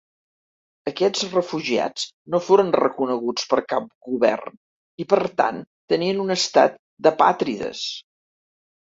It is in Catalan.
Aquests refugiats no foren reconeguts per cap govern i per tant tenien un estat d'apàtrides.